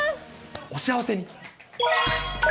お幸せに。